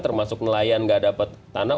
termasuk nelayan nggak dapat tanah